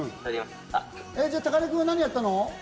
じゃあ根君は何やったの？